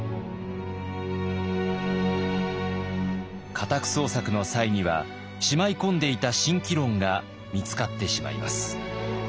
家宅捜索の際にはしまいこんでいた「慎機論」が見つかってしまいます。